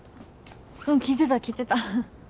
うん聞いてた聞いてたははっ。